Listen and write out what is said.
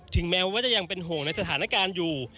แม้ว่าจะยังเป็นห่วงในสถานการณ์อยู่